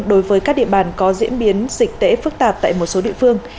đối với các địa bàn có diễn biến dịch tễ phức tạp tại một số địa phương